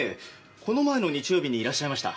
この前の日曜日にいらっしゃいました。